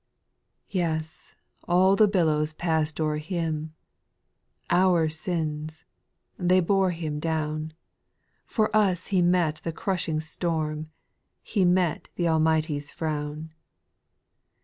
Yes, all the billows pass'd o'er Him ; Ou7' sins — they bore Him down ; For us He met the crushing storm — He met th' Almighty's frown.